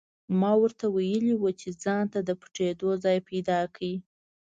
ما ورته ویلي وو چې ځانته د پټېدو ځای پیدا کړي